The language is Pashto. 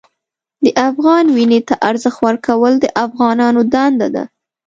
د افغان وینې ته ارزښت ورکول د افغانانو دنده ده.